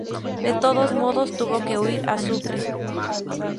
De todos modos, tuvo que huir a Sucre.